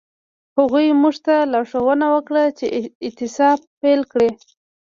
هغوی موږ ته لارښوونه وکړه چې اعتصاب پیل کړئ.